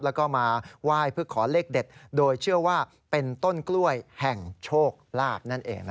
แล้วก็มาไหว้เพื่อขอเลขเด็ดโดยเชื่อว่าเป็นต้นกล้วยแห่งโชคลาภนั่นเอง